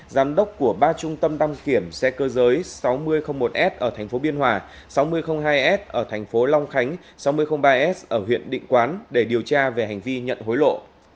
giám đốc của ba trung tâm đăng kiểm xe cơ giới sáu nghìn một s ở tp biên hòa sáu nghìn hai s ở thành phố long khánh sáu nghìn ba s ở huyện định quán để điều tra về hành vi nhận hối lộ